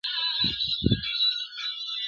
په قېمت د سر یې ختمه دا سودا سوه.